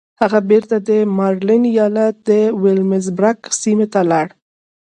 هغه بېرته د ماريلنډ ايالت د ويلمزبرګ سيمې ته لاړ.